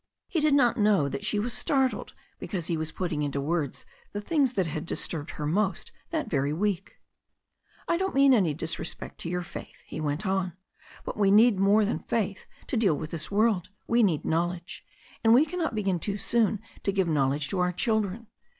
He did not know that she was startled because he was putting into words the things that had disturbed her most that very week. "I don't mean any disrespect to your faith," he went on, "but we need more than faith to deal with this world. We need knowledge. And we cannot begin too soon to give knowledge to our children.